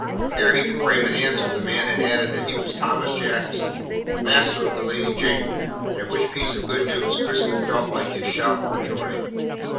Ere he could frame an answer the man had added that he was Thomas Jackson, master of the Lady Jane at which piece of good news Crispin felt like to shout for joy.